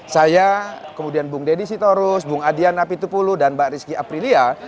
saya kemudian bung deddy sitorus bung adian apitupulu dan mbak rizky aprilia